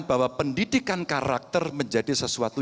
bahwa pendidikan karakter menjadi sesuatu